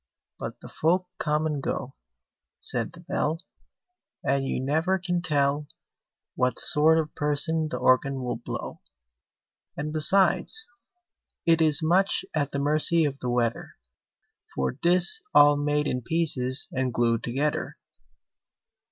But the folk come and go, Said the Bell, And you never can tell What sort of person the Organ will blow! And, besides, it is much at the mercy of the weather For 'tis all made in pieces and glued together!